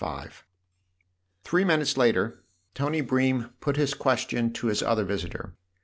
c THREE minutes later Tony Bream put his question to his other visitor.